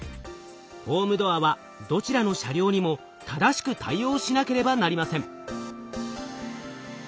ホームドアはどちらの車両にも正しく対応しなければなりません。